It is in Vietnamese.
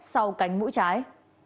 sau cánh mũi trái